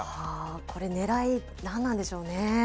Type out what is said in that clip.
これ、ねらい何なんでしょうね。